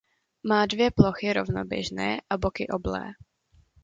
Má dvě plochy rovnoběžné a boky oblé.